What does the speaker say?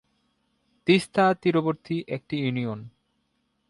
তিস্তা তীরবর্তী একটি ইউনিয়ন।